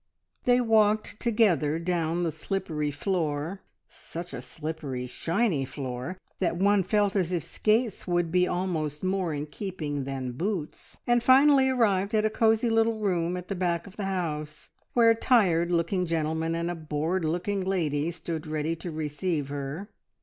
They walked together down the slippery floor, such a slippery, shiny floor, that one felt as if skates would be almost more in keeping than boots, and finally arrived at a cosy little room at the back of the house, where a tired looking gentleman and a bored looking lady stood ready to receive her.